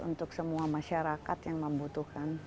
untuk semua masyarakat yang membutuhkan